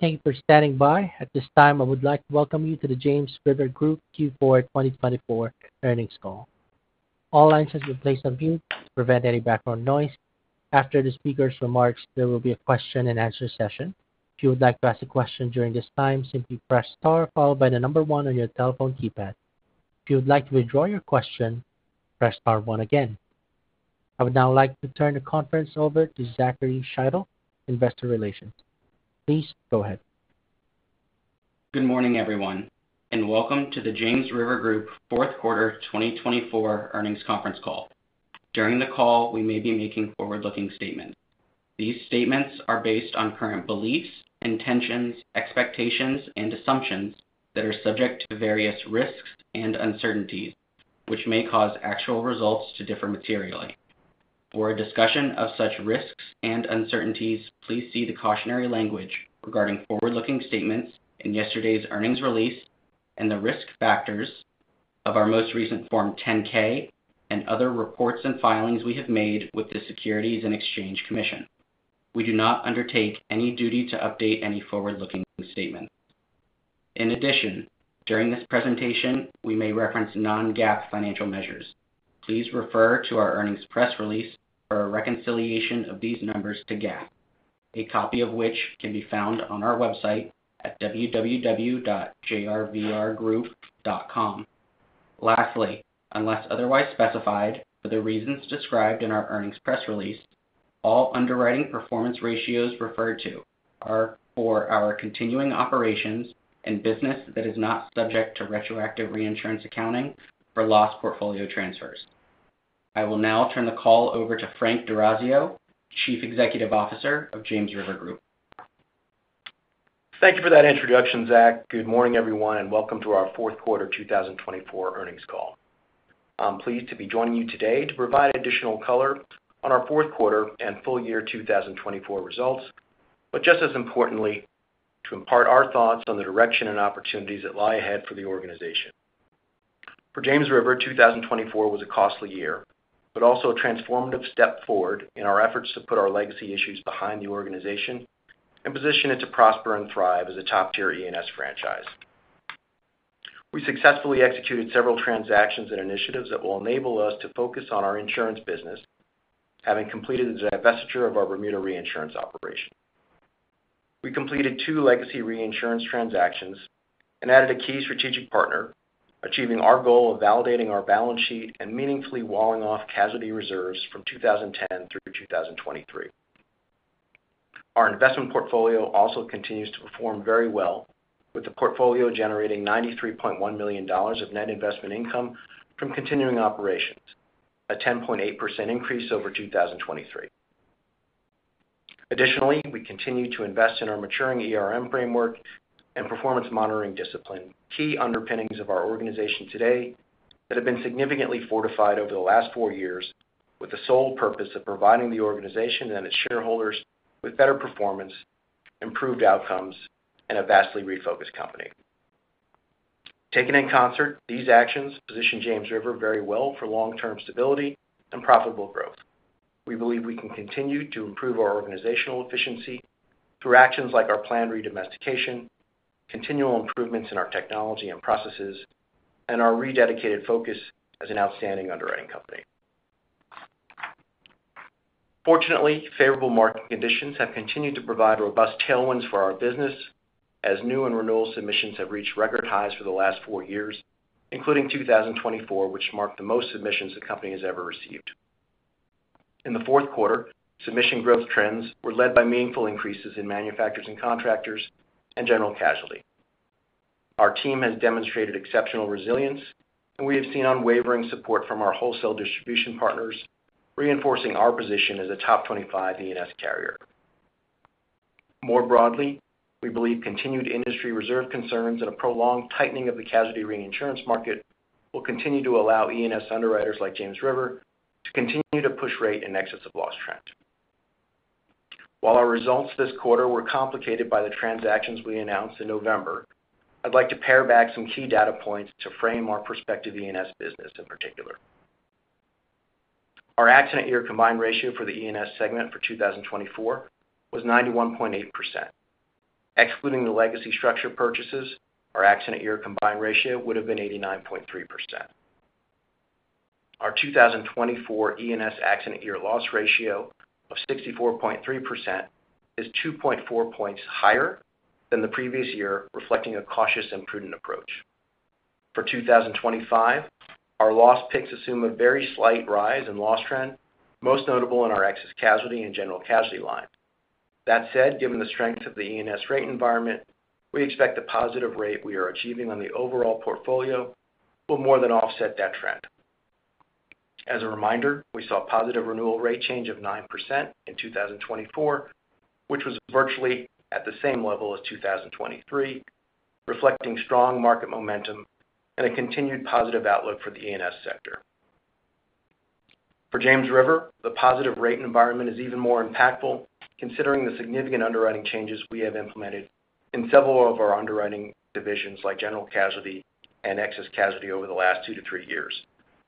Thank you for standing by. At this time, I would like to welcome you to the James River Group Q4 2024 Earnings Call. All lines have been placed on mute to prevent any background noise. After the speaker's remarks, there will be a question-and-answer session. If you would like to ask a question during this time, simply press star followed by the number one on your telephone keypad. If you would like to withdraw your question, press star one again. I would now like to turn the conference over to Zachary Shytle, Investor Relations. Please go ahead. Good morning, everyone, and welcome to the James River Group Fourth Quarter 2024 Earnings Conference Call. During the call, we may be making forward-looking statements. These statements are based on current beliefs, intentions, expectations, and assumptions that are subject to various risks and uncertainties, which may cause actual results to differ materially. For a discussion of such risks and uncertainties, please see the cautionary language regarding forward-looking statements in yesterday's earnings release and the risk factors of our most recent Form 10-K and other reports and filings we have made with the Securities and Exchange Commission. We do not undertake any duty to update any forward-looking statement. In addition, during this presentation, we may reference non-GAAP financial measures. Please refer to our earnings press release for a reconciliation of these numbers to GAAP, a copy of which can be found on our website at www.jrvgroup.com. Lastly, unless otherwise specified for the reasons described in our earnings press release, all underwriting performance ratios referred to are for our continuing operations and business that is not subject to retroactive reinsurance accounting for loss portfolio transfers. I will now turn the call over to Frank D'Orazio, Chief Executive Officer of James River Group. Thank you for that introduction, Zach. Good morning, everyone, and welcome to our Fourth Quarter 2024 Earnings Call. I'm pleased to be joining you today to provide additional color on our Fourth Quarter and full year 2024 results, but just as importantly, to impart our thoughts on the direction and opportunities that lie ahead for the organization. For James River, 2024 was a costly year, but also a transformative step forward in our efforts to put our legacy issues behind the organization and position it to prosper and thrive as a top-tier E&S franchise. We successfully executed several transactions and initiatives that will enable us to focus on our insurance business, having completed the divestiture of our Bermuda reinsurance operation. We completed two legacy reinsurance transactions and added a key strategic partner, achieving our goal of validating our balance sheet and meaningfully walling off casualty reserves from 2010 through 2023. Our investment portfolio also continues to perform very well, with the portfolio generating $93.1 million of net investment income from continuing operations, a 10.8% increase over 2023. Additionally, we continue to invest in our maturing framework and performance monitoring discipline, key underpinnings of our organization today that have been significantly fortified over the last four years with the sole purpose of providing the organization and its shareholders with better performance, improved outcomes, and a vastly refocused company. Taken in concert, these actions position James River very well for long-term stability and profitable growth. We believe we can continue to improve our organizational efficiency through actions like our planned redomestication, continual improvements in our technology and processes, and our rededicated focus as an outstanding underwriting company. Fortunately, favorable market conditions have continued to provide robust tailwinds for our business, as new and renewal submissions have reached record highs for the last four years, including 2024, which marked the most submissions the company has ever received. In the fourth quarter, submission growth trends were led by meaningful increases in manufacturers and contractors and general casualty. Our team has demonstrated exceptional resilience, and we have seen unwavering support from our wholesale distribution partners, reinforcing our position as a top 25 E&S carrier. More broadly, we believe continued industry reserve concerns and a prolonged tightening of the casualty reinsurance market will continue to allow E&S underwriters like James River to continue to push rate and excess of loss trend. While our results this quarter were complicated by the transactions we announced in November, I'd like to pare back some key data points to frame our prospective E&S business in particular. Our accident-year combined ratio for the E&S segment for 2024 was 91.8%. Excluding the legacy structure purchases, our accident-year combined ratio would have been 89.3%. Our 2024 E&S accident-year loss ratio of 64.3% is 2.4 percentage points higher than the previous year, reflecting a cautious and prudent approach. For 2025, our loss picks assume a very slight rise in loss trend, most notable in our excess casualty and general casualty line. That said, given the strength of the E&S rate environment, we expect the positive rate we are achieving on the overall portfolio will more than offset that trend. As a reminder, we saw a positive renewal rate change of 9% in 2024, which was virtually at the same level as 2023, reflecting strong market momentum and a continued positive outlook for the E&S sector. For James River, the positive rate environment is even more impactful, considering the significant underwriting changes we have implemented in several of our underwriting divisions, like general casualty and excess casualty over the last two to three years,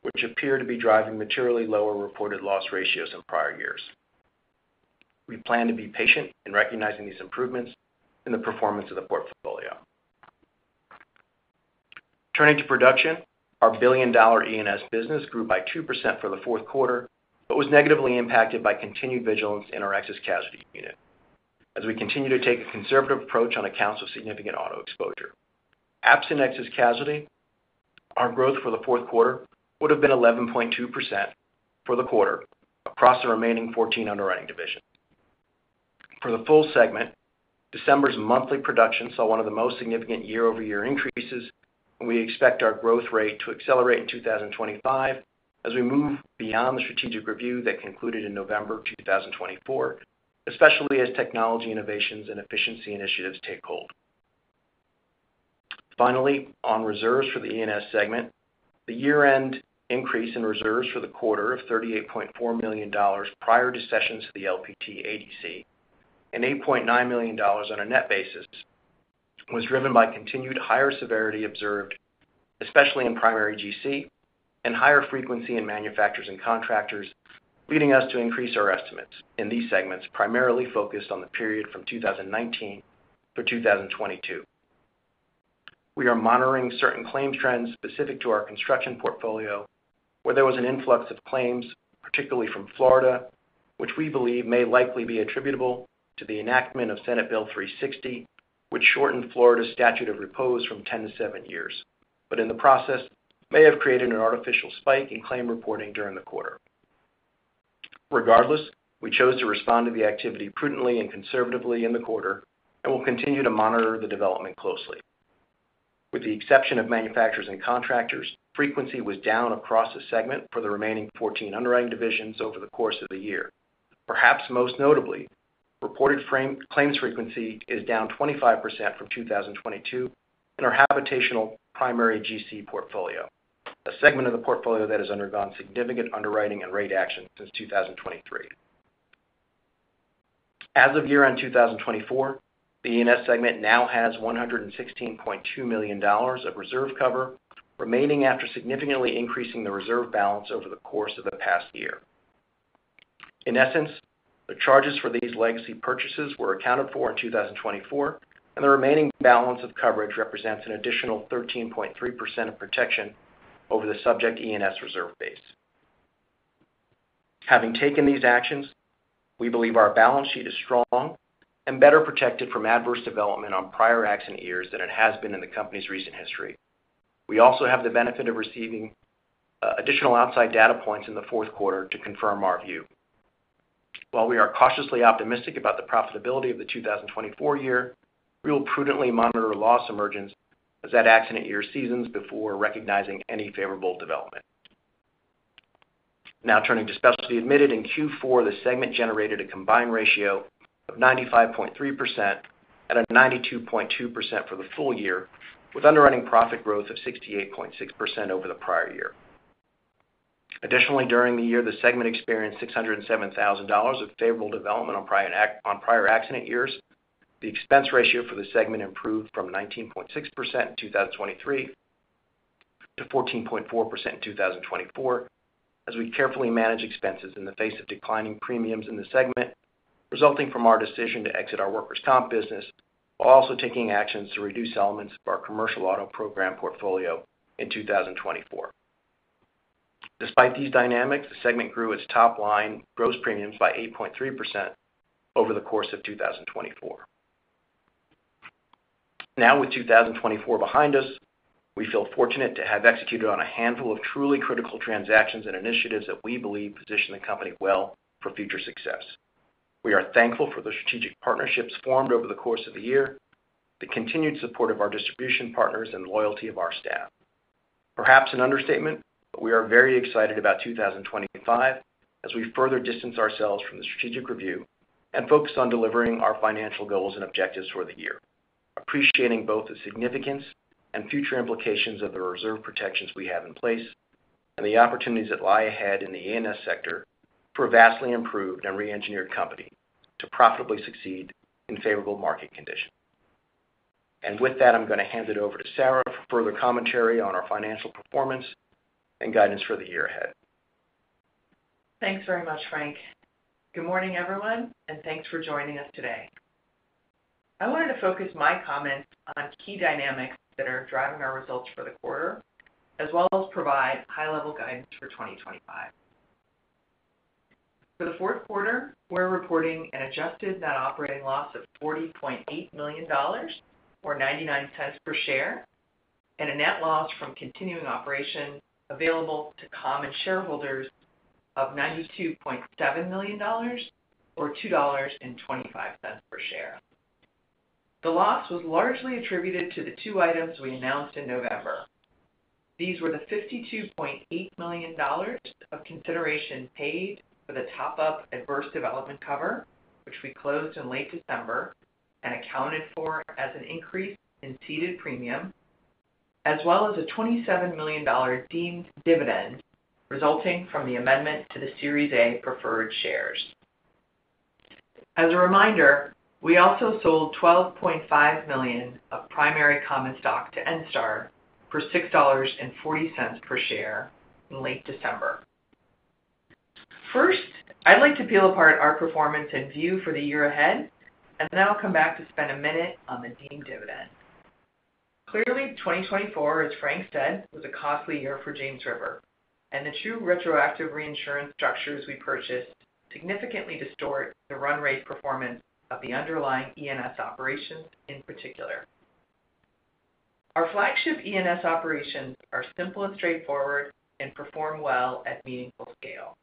which appear to be driving materially lower reported loss ratios in prior years. We plan to be patient in recognizing these improvements in the performance of the portfolio. Turning to production, our billion-dollar E&S business grew by 2% for the fourth quarter but was negatively impacted by continued vigilance in our excess casualty unit, as we continue to take a conservative approach on accounts of significant auto exposure. Absent excess casualty, our growth for the fourth quarter would have been 11.2% for the quarter across the remaining 14 underwriting divisions. For the full segment, December's monthly production saw one of the most significant year-over-year increases, and we expect our growth rate to accelerate in 2025 as we move beyond the strategic review that concluded in November 2024, especially as technology innovations and efficiency initiatives take hold. Finally, on reserves for the E&S segment, the year-end increase in reserves for the quarter of $38.4 million prior to cessions to the LPT ADC and $8.9 million on a net basis was driven by continued higher severity observed, especially in primary GC and higher frequency in manufacturers and contractors, leading us to increase our estimates in these segments, primarily focused on the period from 2019 to 2022. We are monitoring certain claims trends specific to our construction portfolio, where there was an influx of claims, particularly from Florida, which we believe may likely be attributable to the enactment of Senate Bill 360, which shortened Florida's statute of repose from 10 to 7 years, but in the process may have created an artificial spike in claim reporting during the quarter. Regardless, we chose to respond to the activity prudently and conservatively in the quarter and will continue to monitor the development closely. With the exception of manufacturers and contractors, frequency was down across the segment for the remaining 14 underwriting divisions over the course of the year. Perhaps most notably, reported claims frequency is down 25% from 2022 in our habitational primary GC portfolio, a segment of the portfolio that has undergone significant underwriting and rate action since 2023. As of year-end 2024, the E&S segment now has $116.2 million of reserve cover remaining after significantly increasing the reserve balance over the course of the past year. In essence, the charges for these legacy purchases were accounted for in 2024, and the remaining balance of coverage represents an additional 13.3% of protection over the subject E&S reserve base. Having taken these actions, we believe our balance sheet is strong and better protected from adverse development on prior accident years than it has been in the company's recent history. We also have the benefit of receiving additional outside data points in the fourth quarter to confirm our view. While we are cautiously optimistic about the profitability of the 2024 year, we will prudently monitor loss emergence as that accident year seasons before recognizing any favorable development. Now turning to specialty admitted in Q4, the segment generated a combined ratio of 95.3% at a 92.2% for the full year, with underwriting profit growth of 68.6% over the prior year. Additionally, during the year, the segment experienced $607,000 of favorable development on prior accident years. The expense ratio for the segment improved from 19.6% in 2023 to 14.4% in 2024, as we carefully manage expenses in the face of declining premiums in the segment resulting from our decision to exit our workers' comp business while also taking actions to reduce elements of our commercial auto program portfolio in 2024. Despite these dynamics, the segment grew its top-line gross premiums by 8.3% over the course of 2024. Now, with 2024 behind us, we feel fortunate to have executed on a handful of truly critical transactions and initiatives that we believe position the company well for future success. We are thankful for the strategic partnerships formed over the course of the year, the continued support of our distribution partners, and the loyalty of our staff. Perhaps an understatement, but we are very excited about 2025 as we further distance ourselves from the strategic review and focus on delivering our financial goals and objectives for the year, appreciating both the significance and future implications of the reserve protections we have in place and the opportunities that lie ahead in the E&S sector for a vastly improved and reengineered company to profitably succeed in favorable market conditions. With that, I'm going to hand it over to Sarah for further commentary on our financial performance and guidance for the year ahead. Thanks very much, Frank. Good morning, everyone, and thanks for joining us today. I wanted to focus my comments on key dynamics that are driving our results for the quarter, as well as provide high-level guidance for 2025. For the fourth quarter, we're reporting an adjusted net operating loss of $40.8 million or $0.99 per share and a net loss from continuing operation available to common shareholders of $92.7 million or $2.25 per share. The loss was largely attributed to the two items we announced in November. These were the $52.8 million of consideration paid for the top-up adverse development cover, which we closed in late December and accounted for as an increase in ceded premium, as well as a $27 million deemed dividend resulting from the amendment to the Series A preferred shares. As a reminder, we also sold 12.5 million of primary common stock to Enstar for $6.40 per share in late December. First, I'd like to peel apart our performance and view for the year ahead, and then I'll come back to spend a minute on the deemed dividend. Clearly, 2024, as Frank said, was a costly year for James River, and the true retroactive reinsurance structures we purchased significantly distort the run rate performance of the underlying E&S operations in particular. Our flagship E&S operations are simple and straightforward and perform well at meaningful scale.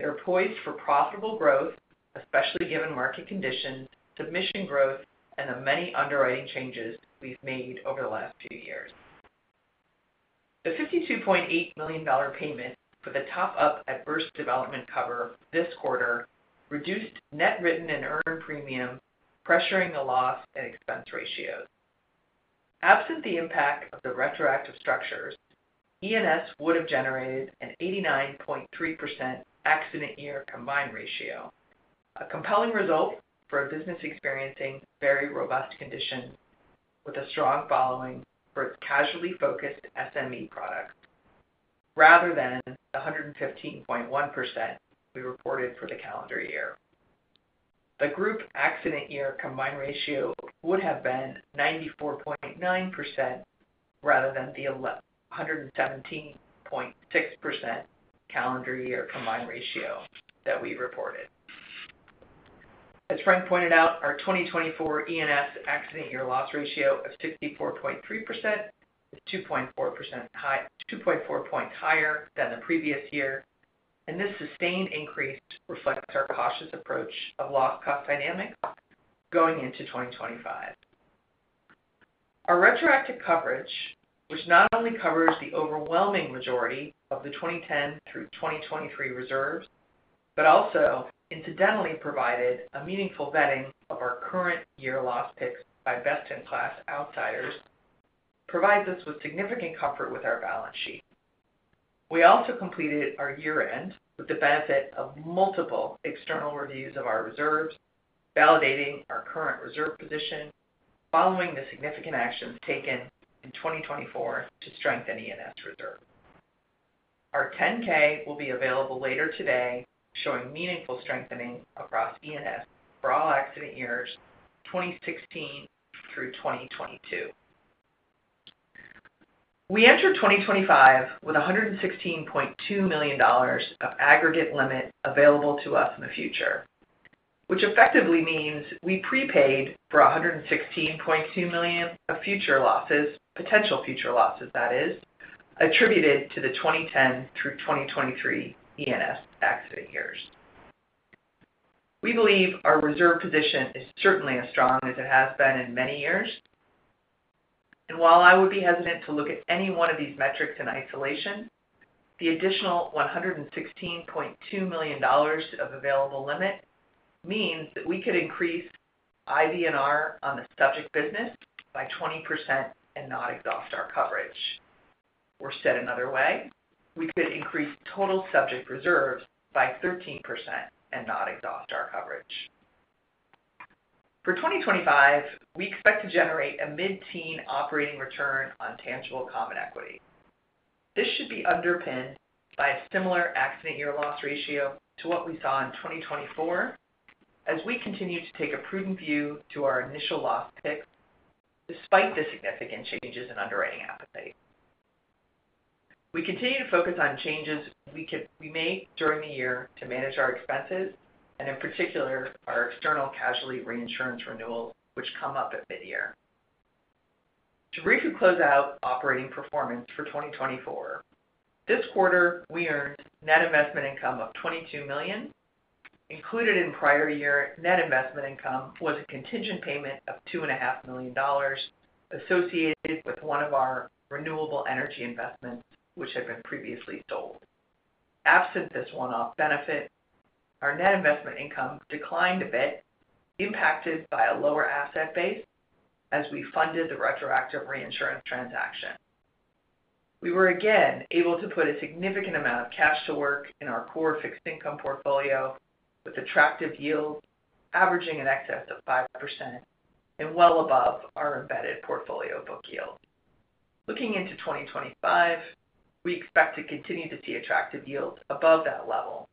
They're poised for profitable growth, especially given market conditions, submission growth, and the many underwriting changes we've made over the last few years. The $52.8 million payment for the top-up adverse development cover this quarter reduced net written and earned premium, pressuring the loss and expense ratios. Absent the impact of the retroactive structures, E&S would have generated an 89.3% accident-year combined ratio, a compelling result for a business experiencing very robust conditions with a strong following for its casualty-focused SME products, rather than the 115.1% we reported for the calendar year. The group accident-year combined ratio would have been 94.9% rather than the 117.6% calendar year combined ratio that we reported. As Frank pointed out, our 2024 E&S accident-year loss ratio of 64.3% is 2.4 percentage points higher than the previous year, and this sustained increase reflects our cautious approach of loss-cost dynamics going into 2025. Our retroactive coverage, which not only covers the overwhelming majority of the 2010 through 2023 reserves, but also incidentally provided a meaningful vetting of our current year-loss picks by best-in-class outsiders, provides us with significant comfort with our balance sheet. We also completed our year-end with the benefit of multiple external reviews of our reserves, validating our current reserve position, following the significant actions taken in 2024 to strengthen E&S reserves. Our 10-K will be available later today, showing meaningful strengthening across E&S for all accident years 2016 through 2022. We entered 2025 with $116.2 million of aggregate limit available to us in the future, which effectively means we prepaid for $116.2 million of future losses, potential future losses, that is, attributed to the 2010 through 2023 E&S accident years. We believe our reserve position is certainly as strong as it has been in many years. While I would be hesitant to look at any one of these metrics in isolation, the additional $116.2 million of available limit means that we could increase IBNR on the subject business by 20% and not exhaust our coverage. Or said another way, we could increase total subject reserves by 13% and not exhaust our coverage. For 2025, we expect to generate a mid-teen operating return on tangible common equity. This should be underpinned by a similar accident-year loss ratio to what we saw in 2024, as we continue to take a prudent view to our initial loss picks despite the significant changes in underwriting appetite. We continue to focus on changes we make during the year to manage our expenses and, in particular, our external casualty reinsurance renewals, which come up at mid-year. To briefly close out operating performance for 2024, this quarter, we earned net investment income of $22 million. Included in prior year net investment income was a contingent payment of $2.5 million associated with one of our renewable energy investments, which had been previously sold. Absent this one-off benefit, our net investment income declined a bit, impacted by a lower asset base as we funded the retroactive reinsurance transaction. We were again able to put a significant amount of cash to work in our core fixed income portfolio with attractive yields averaging in excess of 5% and well above our embedded portfolio book yield. Looking into 2025, we expect to continue to see attractive yields above that level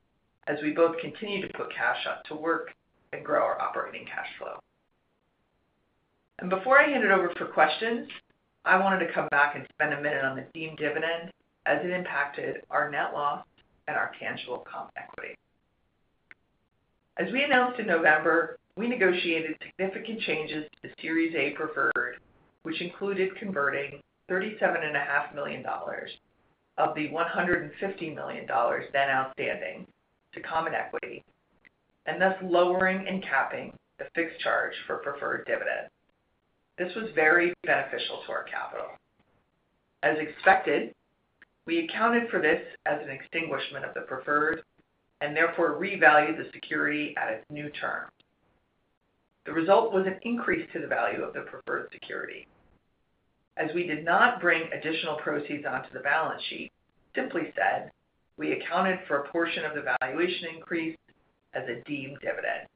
as we both continue to put cash to work and grow our operating cash flow. Before I hand it over for questions, I wanted to come back and spend a minute on the deemed dividend as it impacted our net loss and our tangible common equity. As we announced in November, we negotiated significant changes to the Series A preferred, which included converting $37.5 million of the $150 million then outstanding to common equity and thus lowering and capping the fixed charge for preferred dividend. This was very beneficial to our capital. As expected, we accounted for this as an extinguishment of the preferred and therefore revalued the security at its new term. The result was an increase to the value of the preferred security. As we did not bring additional proceeds onto the balance sheet, simply said, we accounted for a portion of the valuation increase as a deemed dividend.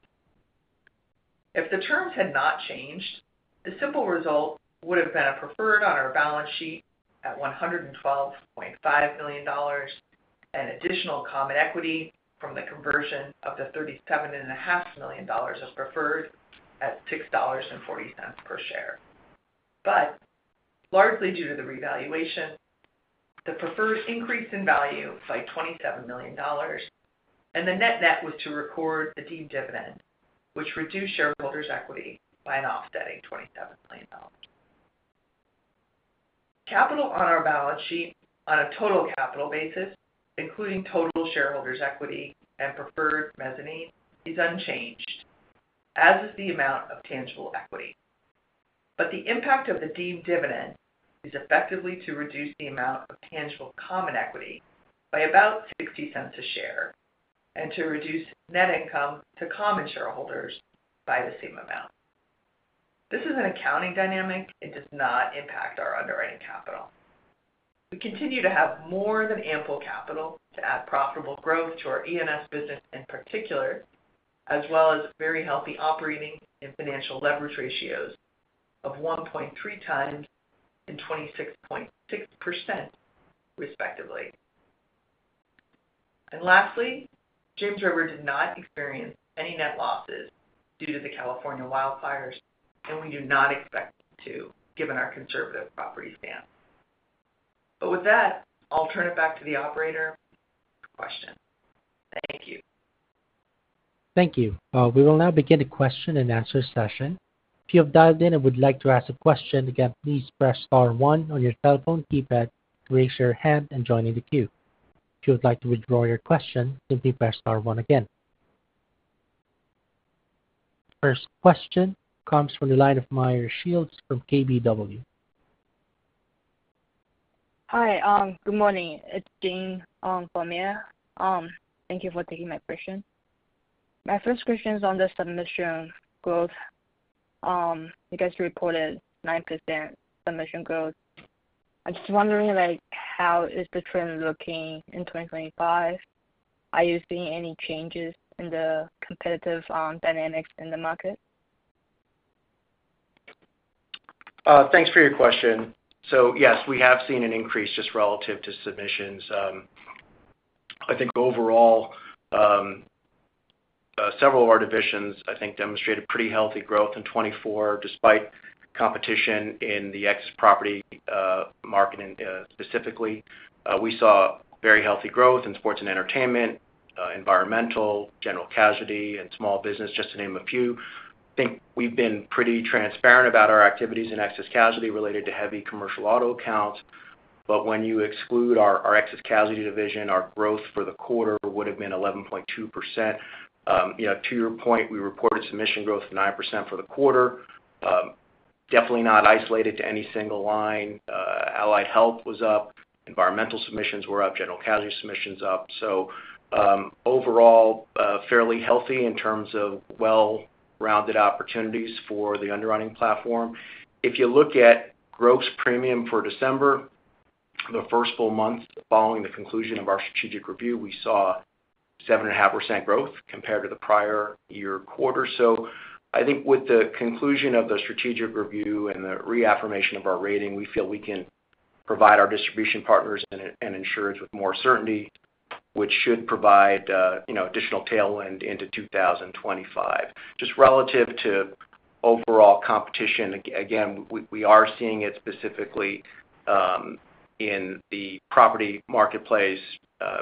If the terms had not changed, the simple result would have been a preferred on our balance sheet at $112.5 million and additional common equity from the conversion of the $37.5 million of preferred at $6.40 per share. Largely due to the revaluation, the preferred increased in value by $27 million, and the net net was to record the deemed dividend, which reduced shareholders' equity by an offsetting $27 million. Capital on our balance sheet on a total capital basis, including total shareholders' equity and preferred mezzanine, is unchanged, as is the amount of tangible equity. The impact of the deemed dividend is effectively to reduce the amount of tangible common equity by about $0.60 a share and to reduce net income to common shareholders by the same amount. This is an accounting dynamic and does not impact our underwriting capital. We continue to have more than ample capital to add profitable growth to our E&S business in particular, as well as very healthy operating and financial leverage ratios of 1.3 times and 26.6%, respectively. Lastly, James River did not experience any net losses due to the California wildfires, and we do not expect to, given our conservative property stance. With that, I'll turn it back to the operator for questions. Thank you. Thank you. We will now begin the question and answer session. If you have dialed in and would like to ask a question, again, please press star one on your cell phone keypad to raise your hand and join in the queue. If you would like to withdraw your question, simply press star one again. First question comes from the line of Meyer Shields from KBW. Hi, good morning. It's [Dean] on for Meyer. Thank you for taking my question. My first question is on the submission growth. You guys reported 9% submission growth. I'm just wondering how is the trend looking in 2025? Are you seeing any changes in the competitive dynamics in the market? Thanks for your question. Yes, we have seen an increase just relative to submissions. I think overall, several of our divisions demonstrated pretty healthy growth in 2024 despite competition in the excess property market specifically. We saw very healthy growth in sports and entertainment, environmental, general casualty, and small business, just to name a few. I think we've been pretty transparent about our activities in excess casualty related to heavy commercial auto accounts. When you exclude our excess casualty division, our growth for the quarter would have been 11.2%. To your point, we reported submission growth of 9% for the quarter. Definitely not isolated to any single line. Allied Health was up. Environmental submissions were up. General casualty submissions up. Overall, fairly healthy in terms of well-rounded opportunities for the underwriting platform. If you look at gross premium for December, the first full month following the conclusion of our strategic review, we saw 7.5% growth compared to the prior year quarter. I think with the conclusion of the strategic review and the reaffirmation of our rating, we feel we can provide our distribution partners and insurers with more certainty, which should provide additional tailwind into 2025. Just relative to overall competition, again, we are seeing it specifically in the property marketplace,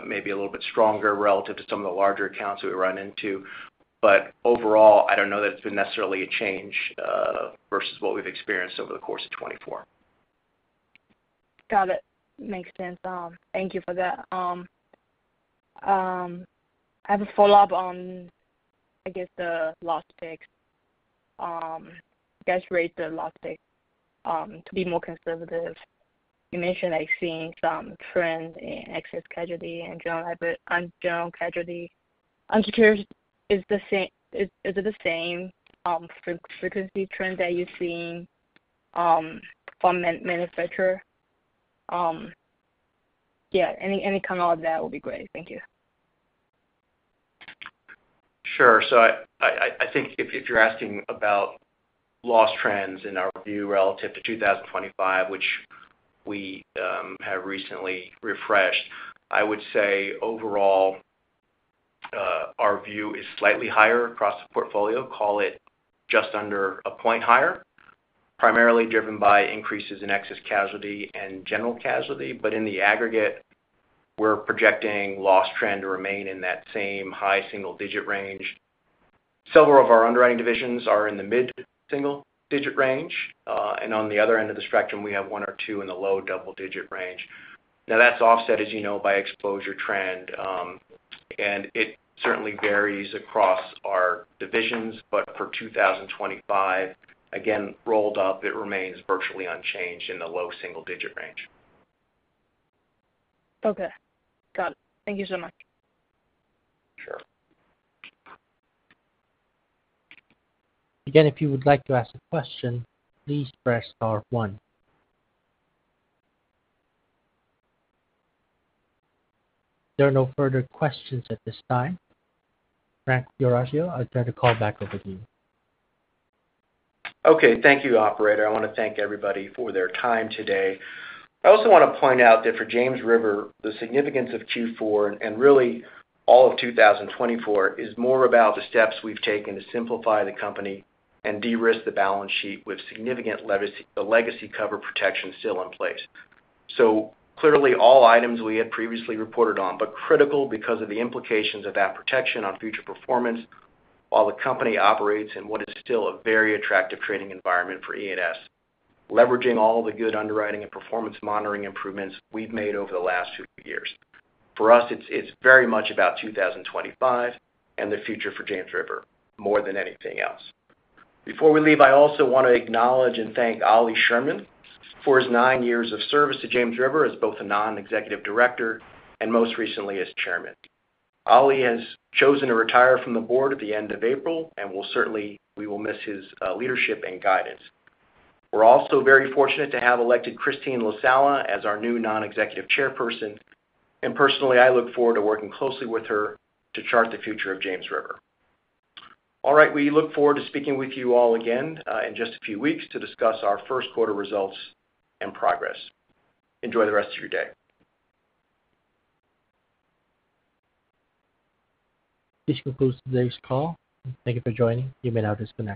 maybe a little bit stronger relative to some of the larger accounts that we run into. Overall, I do not know that it has been necessarily a change versus what we have experienced over the course of 2024. Got it. Makes sense. Thank you for that. I have a follow-up on, I guess, the loss picks. You guys raised the loss picks to be more conservative. You mentioned seeing some trends in excess casualty and general casualty. I'm curious, is it the same frequency trend that you're seeing from manufacturer? Yeah, any comment on that would be great. Thank you. Sure. I think if you're asking about loss trends in our view relative to 2025, which we have recently refreshed, I would say overall, our view is slightly higher across the portfolio, call it just under a point higher, primarily driven by increases in excess casualty and general casualty. In the aggregate, we're projecting loss trend to remain in that same high single-digit range. Several of our underwriting divisions are in the mid-single-digit range. On the other end of the spectrum, we have one or two in the low double-digit range. That is offset, as you know, by exposure trend. It certainly varies across our divisions. For 2025, again, rolled up, it remains virtually unchanged in the low single-digit range. Okay. Got it. Thank you so much. Sure. Again, if you would like to ask a question, please press star one. There are no further questions at this time. Frank D'Orazio, I'll turn the call back over to you. Okay. Thank you, operator. I want to thank everybody for their time today. I also want to point out that for James River, the significance of Q4 and really all of 2024 is more about the steps we've taken to simplify the company and de-risk the balance sheet with significant legacy cover protection still in place. Clearly, all items we had previously reported on, but critical because of the implications of that protection on future performance while the company operates in what is still a very attractive trading environment for E&S, leveraging all the good underwriting and performance monitoring improvements we've made over the last few years. For us, it's very much about 2025 and the future for James River more than anything else. Before we leave, I also want to acknowledge and thank Ollie Sherman for his nine years of service to James River as both a non-executive director and most recently as chairman. Ollie has chosen to retire from the board at the end of April, and we will certainly miss his leadership and guidance. We are also very fortunate to have elected Christine LaSala as our new non-executive chairperson. I look forward to working closely with her to chart the future of James River. All right, we look forward to speaking with you all again in just a few weeks to discuss our first quarter results and progress. Enjoy the rest of your day. This concludes today's call. Thank you for joining. You may now disconnect.